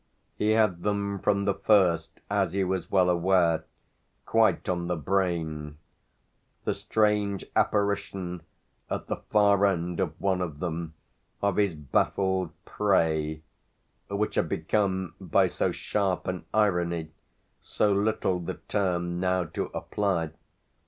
He had them from the first, as he was well aware, quite on the brain: the strange apparition, at the far end of one of them, of his baffled "prey" (which had become by so sharp an irony so little the term now to apply!)